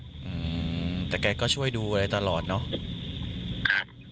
อืมแต่แกก็ช่วยดูเลยตลอดเนาะ